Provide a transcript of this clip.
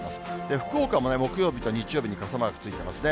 福岡も木曜日と日曜日に傘マークついてますね。